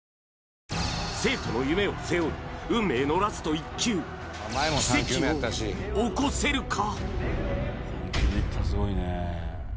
生徒の夢を背負い運命のラスト１球奇跡を起こせるか！？